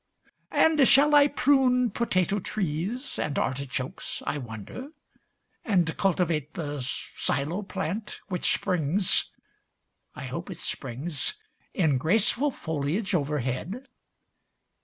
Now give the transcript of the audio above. And shall I prune potato trees and artichokes, I wonder, And cultivate the silo plant, which springs (I hope it springs?) In graceful foliage overhead?